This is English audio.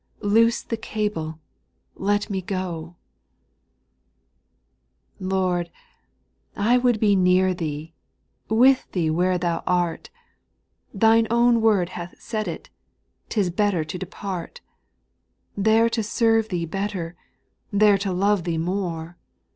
Loose the cable, let me go I 8. Lord ! I would be near Thee, with Thee where Thou art, — Thine own word hath said it, *' *t is better to depart," There to serve Thee better, there to love Thee more.